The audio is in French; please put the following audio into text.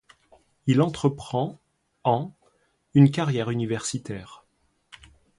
Il entreprend en une carrière universitaire.